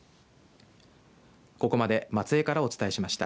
ここまで松江からお伝えしました。